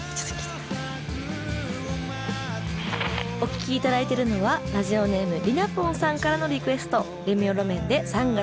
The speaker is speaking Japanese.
お聴き頂いてるのはラジオネームリナポンさんからのリクエストレミオロメンで「３月９日」です。